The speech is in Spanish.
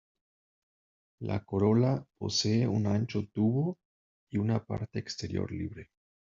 La corola posee un ancho tubo y una parte exterior libre.